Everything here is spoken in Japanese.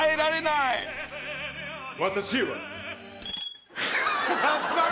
私は。